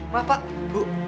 maaf pak ibu